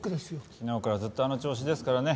昨日からずっとあの調子ですからね。